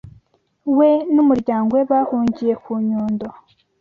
We n’muryango we bahungiye ku Nyundo